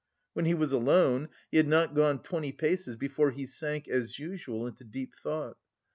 When he was alone, he had not gone twenty paces before he sank, as usual, into deep thought.